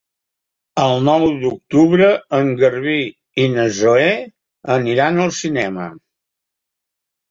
El nou d'octubre en Garbí i na Zoè aniran al cinema.